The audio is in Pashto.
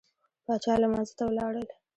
پاچا لمانځه ته ولاړل.